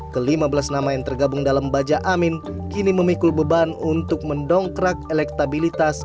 kelima belas nama yang tergabung dalam baja amin kini memikul beban untuk mendongkrak elektabilitas